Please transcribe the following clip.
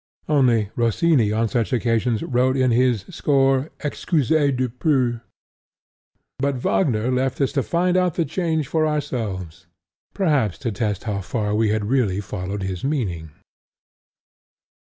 Only, Rossini on such occasions wrote in his score "Excusez du peu," but Wagner left us to find out the change for ourselves, perhaps to test how far we had really followed his meaning.